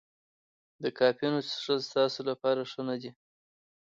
د کافینو څښل ستاسو لپاره ښه نه دي.